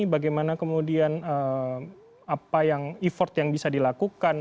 bagaimana kemudian apa yang effort yang bisa dilakukan